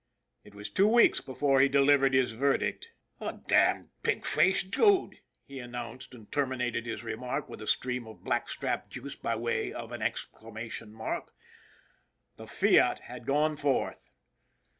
It was two weeks before he delivered his verdict. " A damned pink faced dude !" he announced and terminated his remark with a stream of black strap juice by way of an exclamation mark. The fiat had gone forth